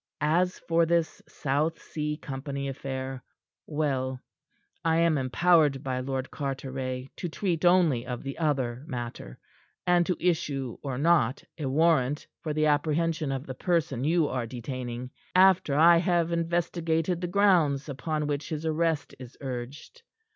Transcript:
"As for this South Sea Company affair, well I am empowered by Lord Carteret to treat only of the other matter, and to issue or not a warrant for the apprehension of the person you are detaining, after I have investigated the grounds upon which his arrest is urged.